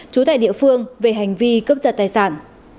chú tài địa phương về hành vi cướp giật tài sản